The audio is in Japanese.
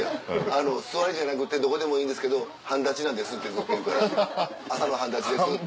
「座りじゃなくてどこでもいいんですけど半立ちなんです」って言うから「朝の半立ちです」って。